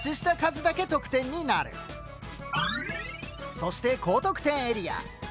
そして高得点エリア。